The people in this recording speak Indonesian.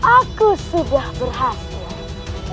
aku sudah berhasil